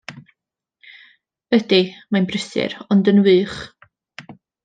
Ydy, mae'n brysur ond yn wych.